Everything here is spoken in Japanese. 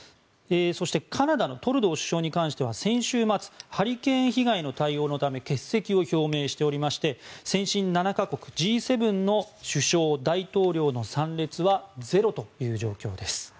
そして、カナダのトルドー首相に関しては先週末ハリケーン被害の対応のため欠席を表明しておりまして先進７か国、Ｇ７の首相大統領の参列はゼロという状況です。